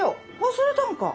忘れたんか？